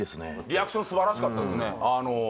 リアクション素晴らしかったですね